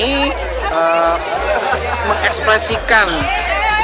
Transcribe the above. mengekspresikan desain desain mereka untuk dijadikan sebuah